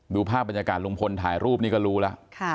ดูภาพบรรยากาศลุงพลถ่ายรูปนี่ก็รู้แล้ว